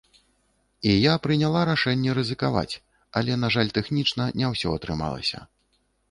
І я прыняла рашэнне рызыкаваць, але на жаль тэхнічна не ўсё атрымалася.